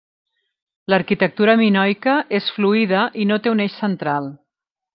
L'arquitectura minoica és fluida i no té un eix central.